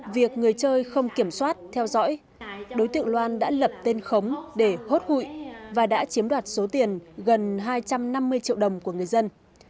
việc người chơi không kiểm soát theo dõi đối tượng loan đã lập tên khống để hốt hụi và đã chiếm đoạt số tiền gần hai trăm năm mươi triệu đồng của người dân